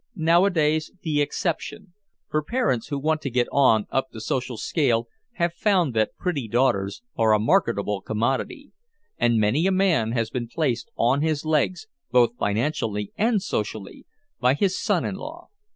nowadays the exception, for parents who want to "get on" up the social scale have found that pretty daughters are a marketable commodity, and many a man has been placed "on his legs," both financially and socially, by his son in law.